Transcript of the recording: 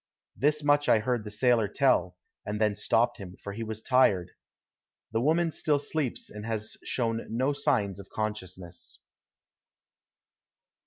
This much I heard the sailor tell, and then stopped him, for he was tired. The woman still sleeps and has showed no signs of consciousness.